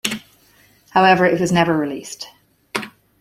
However, it was never released.